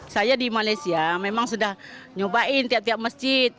saya di malaysia memang sudah nyobain tiap tiap masjid